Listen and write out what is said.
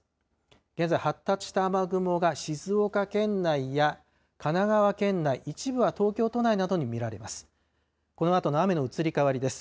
現在、発達した雨雲が静岡県内や神奈川県内、一部は東京都内などに見られます。